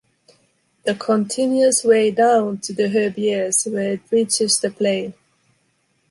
The continuous way down to the Herbiers, where it reaches the plain.